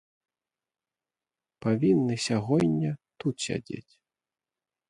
Павінны сягоння тут сядзець.